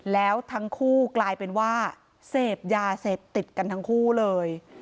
แล้วทั้งคู่กลายเป็นว่าเสพยาเสพติดกันทั้งคู่เลย